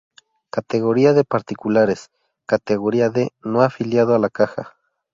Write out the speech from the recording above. Categoría D. Particulares: categoría de no afiliado a la caja.